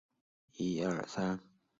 阿芒格。